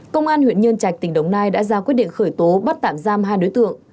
công an huyện nhân trạch tỉnh đồng nai đã ra quyết định khởi tố bắt tạm giam hai đối tượng